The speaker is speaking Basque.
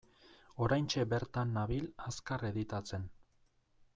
Oraintxe bertan nabil azkar editatzen.